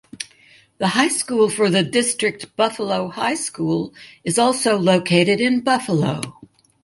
The high school for the district, Buffalo High School, is also located in Buffalo.